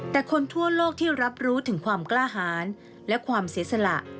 แต่คนทั่วโลกที่รับรู้ถึงความกล้าหารและความเสียสละ